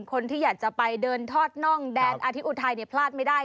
คนที่อยากจะไปเดินทอดน่องแดนอธิอุทัยเนี่ยพลาดไม่ได้